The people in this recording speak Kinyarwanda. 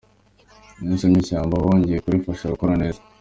Iyo usannye ishyamba uba wongeye kurifasha gukora neza.